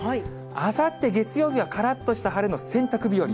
あさって月曜日は、からっとした晴れの洗濯日和。